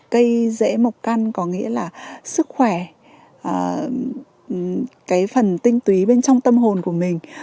cây dễ mộc căn có nghĩa là sức khỏe cái phần tinh túy bên trong tâm hồn của mình